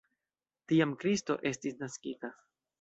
Tiam Kristo estis naskita.